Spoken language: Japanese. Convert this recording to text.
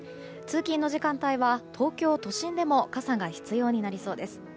通勤の時間帯は東京都心でも傘が必要になりそうです。